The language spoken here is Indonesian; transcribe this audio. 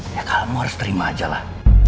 ya kamu harus terima aja lah